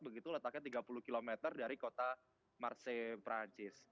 begitu letaknya tiga puluh km dari kota marse perancis